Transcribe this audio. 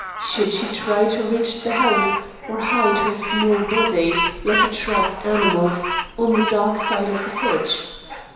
Should she try to reach the house, or hide her small body, like a trapped animal's, on the dark side of the hedge?